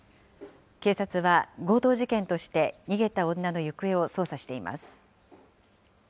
警察は強盗事件として逃げた女の行方を捜査しています。